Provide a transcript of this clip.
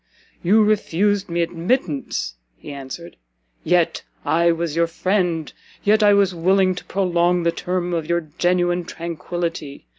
"You refused me admittance," he answered, "yet I was your friend, yet I was willing to prolong the term of your genuine [tranquillity]!